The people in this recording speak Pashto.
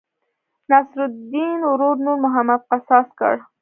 نصرالیدن ورور نور محمد قصاص کړ.